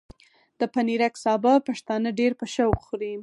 د پنېرک سابه پښتانه ډېر په شوق خوري۔